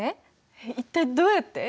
一体どうやって？